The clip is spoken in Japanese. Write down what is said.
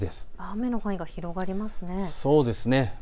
雨の範囲が広がりますね。